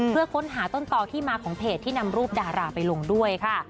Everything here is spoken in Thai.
เพื่อค้นหาต้นต่อที่มาของเพจที่นำรูปดาราไปลงด้วยค่ะ